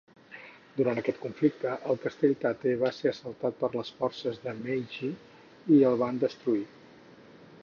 Durant aquest conflicte, el castell Tate va ser assaltat per les forces de Meiji i el van destruir.